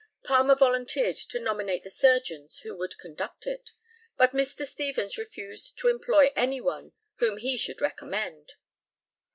Palmer volunteered to nominate the surgeons who should conduct it, but Mr. Stevens refused to employ any one whom he should recommend.